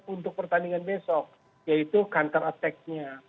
untuk pertandingan besok yaitu counter attack nya